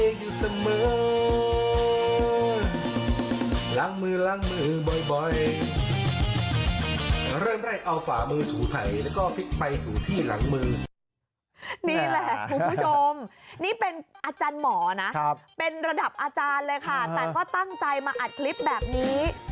นี่แหละคุณผู้ชมนี่เป็นอาจารย์หมอนะเป็นระดับอาจารย์เลยค่ะแต่ก็ตั้งใจมาอัดคลิปแบบนี้